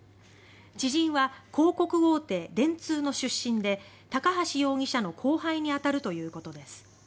知人は広告大手、電通の出身で高橋容疑者の後輩に当たるということです。